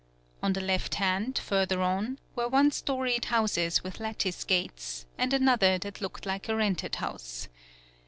On the left hand, further on, were one storied houses with lattice gates, and another that looked like a rented house.